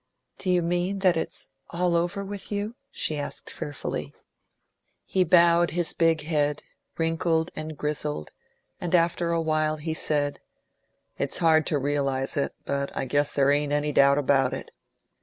"Do you mean that it's all over with you?" she asked fearfully. He bowed his big head, wrinkled and grizzled; and after awhile he said, "It's hard to realise it; but I guess there ain't any doubt about it."